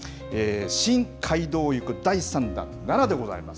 新街道をゆく第３弾、奈良でございます。